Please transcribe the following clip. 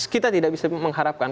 kita tidak bisa mengharapkan